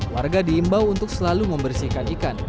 warga diimbau untuk selalu membersihkan ikan